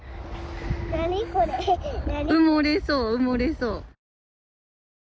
埋もれそう、埋もれそう。